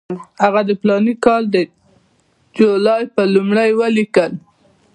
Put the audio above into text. هغه د فلاني کال د جولای پر لومړۍ ولیکل.